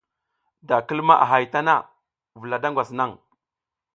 Da ki luma a hay a tana, vula da ngwas naƞ.